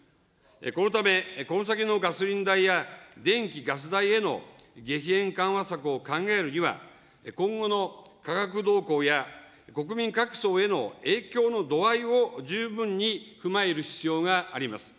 このため、この先のガソリン代や電気・ガス代への激変緩和策を考えるには、今後の価格動向や国民各層への影響の度合いを十分に踏まえる必要があります。